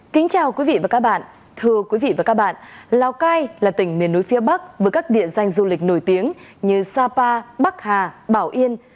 kính chào quý vị và các bạn thưa quý vị và các bạn lào cai là tỉnh miền núi phía bắc với các địa danh du lịch nổi tiếng như sapa bắc hà bảo yên